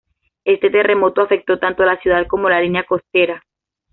Este terremoto afectó tanto la ciudad como la línea costera.